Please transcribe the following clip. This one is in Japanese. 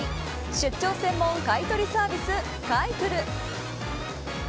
出張専門買い取りサービス買いクル。